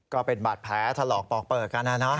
ก็เป็นบัตรแพ้ตลอกปอกเปิดกันนะนะ